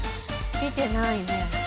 来てないね。